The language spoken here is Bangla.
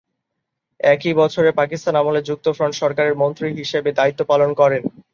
একই বছরে পাকিস্তান আমলে যুক্তফ্রন্ট সরকারের মন্ত্রী হিসেবে দায়িত্ব পালন করেন।